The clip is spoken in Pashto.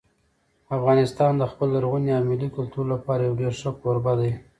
افغانستان د خپل لرغوني او ملي کلتور لپاره یو ډېر ښه کوربه دی.